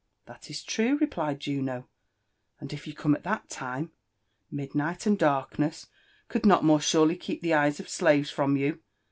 " That is true," replied Juno; "and it you come at that time, mid nigbt and darkness could not more surely keep the eyes oE slaves from you.